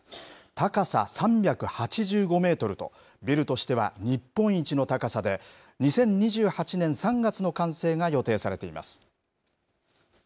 高さ３８５メートルと、ビルとしては日本一の高さで、２０２８年３月の完成が予定されています。